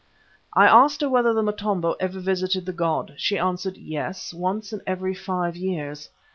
I asked her whether the Motombo ever visited the god. She answered, Yes, once in every five years.